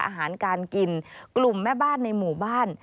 อาหารการกินกลุ่มแม่บ้านในหมู่บ้าน